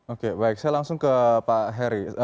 oke baik saya langsung ke pak heri